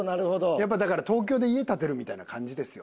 やっぱだから東京で家建てるみたいな感じですよ。